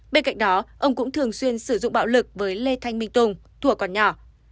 bên cạnh đó ông cũng thường xuyên sử dụng bạo lực với lê thanh minh tùng thủa còn nhỏ